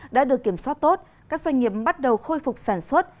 đã được kiểm soát tốt các doanh nghiệp bắt đầu khôi phục sản xuất